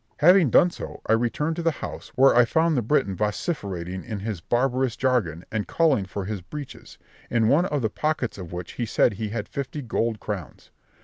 Having done so, I returned to the house, where I found the Breton vociferating in his barbarous jargon, and calling for his breeches, in one of the pockets of which he said he had fifty gold crowns.